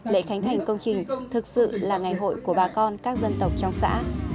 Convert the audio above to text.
lễ khánh thành công trình thực sự là ngày hội của bà con các dân tộc trong xã